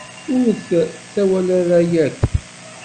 Ur t-tawala ara yakk.